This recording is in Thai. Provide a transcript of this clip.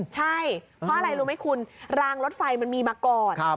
ใช่เพราะอะไรรู้ไหมคุณรางรถไฟมันมีมาก่อน